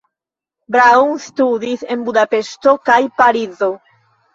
Braun studis en Budapeŝto kaj Parizo.